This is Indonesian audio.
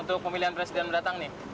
untuk pemilihan presiden mendatang nih